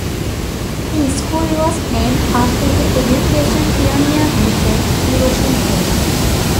The school was named after education pioneer Booker T. Washington.